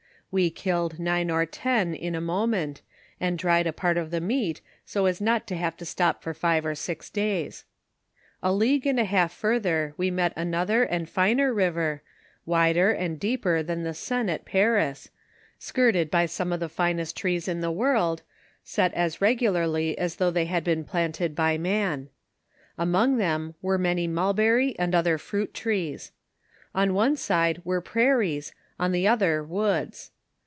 We killed nine or ten in a mo ment, and dried a part of the meat so as not to have to stop for five or six days. A league and a half further we met an other and finer river, wider and deeper than the Seine at Paris, rikirted by some of the finest trees in the world, set as regularly as though they had been planted by man. Among them were many mulberry and other fruit trees. On one side were prairies, on the other woods.